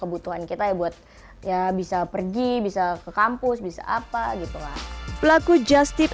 kebutuhan kita ya buat ya bisa pergi bisa ke kampus bisa apa gitu pelaku justip